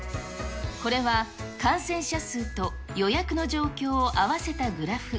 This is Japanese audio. これは感染者数と予約の状況を合わせたグラフ。